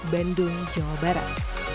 bandung jawa barat